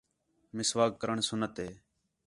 مسواک کرݨ سُنّت ہِے